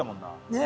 ねえ！